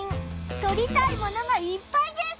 撮りたいものがいっぱいです！